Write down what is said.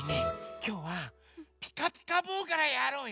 きょうは「ピカピカブ！」からやろうよ。